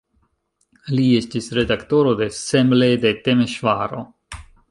Li estis redaktoro de "Szemle" de Temeŝvaro.